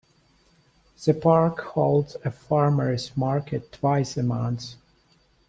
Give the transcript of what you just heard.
The park holds a farmers market twice a month.